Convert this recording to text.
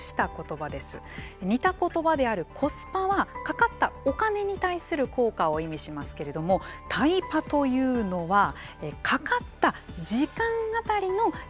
似た言葉であるコスパはかかったお金に対する効果を意味しますけれどもタイパというのはかかった時間当たりの効果や満足度を示しています。